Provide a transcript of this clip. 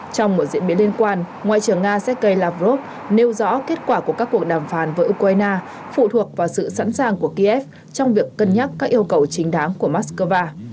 trong một diễn biến liên quan ngoại trưởng nga sergei lavrov nêu rõ kết quả của các cuộc đàm phán với ukraine phụ thuộc vào sự sẵn sàng của kiev trong việc cân nhắc các yêu cầu chính đáng của moscow